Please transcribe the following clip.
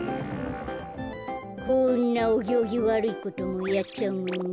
こんなおぎょうぎわるいこともやっちゃうもんね。